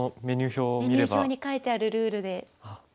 メニュー表に書いてあるルールで。